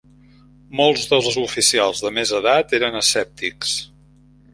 Molts dels oficials de més edat eren escèptics.